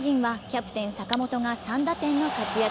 ３位・巨人はキャプテン・坂本が３打点の活躍。